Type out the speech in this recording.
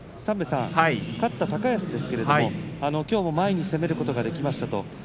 勝った高安ですがきょうも前に攻めることができました。